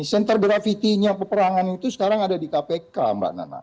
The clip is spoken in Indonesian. center gravity nya peperangan itu sekarang ada di kpk mbak nana